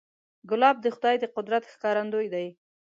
ګلاب د خدای د قدرت ښکارندوی دی.